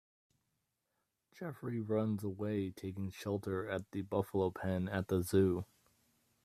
Jeffrey runs away, taking shelter at the buffalo pen at the zoo.